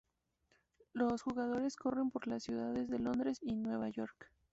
Los jugadores corren por las ciudades de Londres y Nueva York.